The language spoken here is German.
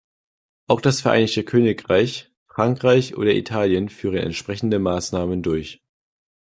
Auch das Vereinigte Königreich, Frankreich oder Italien führen entsprechende Maßnahmen durch.